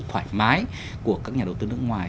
thoải mái của các nhà đầu tư nước ngoài